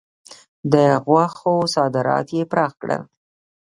د غوښو صادرات یې پراخ کړل.